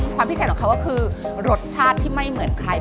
ความพิเศษของเขาก็คือรสชาติที่ไม่เหมือนใคร